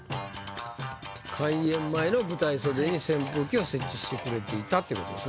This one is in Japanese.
開演前の舞台袖に扇風機を設置してくれていたっていう事ですね。